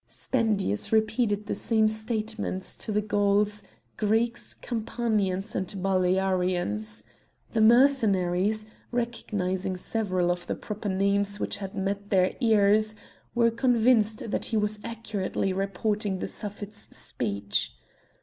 Spendius repeated the same statements to the Gauls, Greeks, Campanians and Balearians. The Mercenaries, recognising several of the proper names which had met their ears, were convinced that he was accurately reporting the Suffet's speech.